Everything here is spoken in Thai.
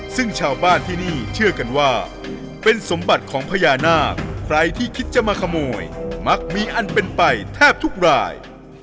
ซึ่งชาวบ้านที่นี่เชื่อกันว่าเป็นสมบัติของพญานาคใครที่คิดจะมาขโมยมักมีอันเป็นไปแทบทุกราย